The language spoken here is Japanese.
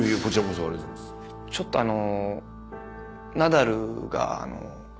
ちょっとあの。